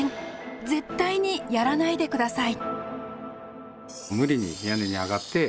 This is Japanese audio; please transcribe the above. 絶対にやらないで下さい。